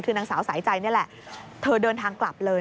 คือนางสาวสายใจนี่แหละเธอเดินทางกลับเลย